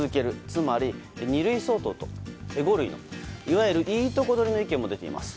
つまり二類相当と五類いわゆる、いいとこ取りの意見も出ています。